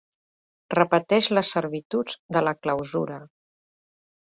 Repeteix les servituds de la clausura.